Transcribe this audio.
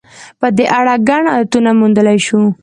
په دې اړه ګڼ ایتونه موندلای شو.